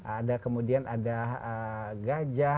ada kemudian ada gajah